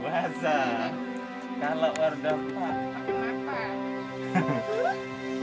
buasa kalau wardah pak pakai makan